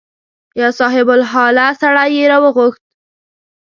یو صاحب الحاله سړی یې راوغوښت.